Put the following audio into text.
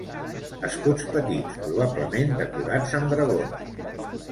Escuts petits, probablement decorats amb dragons.